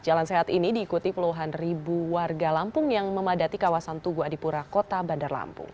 jalan sehat ini diikuti puluhan ribu warga lampung yang memadati kawasan tugu adipura kota bandar lampung